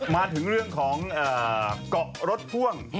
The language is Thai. มาถึงเรื่องของเกาะรถพ่วง